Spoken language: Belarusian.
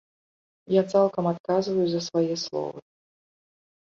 Я цалкам адказваю за свае словы.